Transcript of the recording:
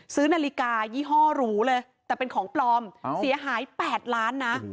ซื้อนาฬิกายี่ห้อหรูเลยแต่เป็นของปลอมเสียหาย๘ล้านนะ